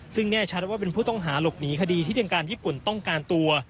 ซึ่งแน่ชัดว่าเป็นผู้ต้องหาหลบหนีคดีที่ทางการญี่ปุ่นต้องการตัว